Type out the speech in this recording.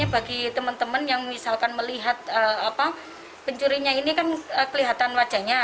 bagi teman teman yang misalkan melihat pencurinya ini kan kelihatan wajahnya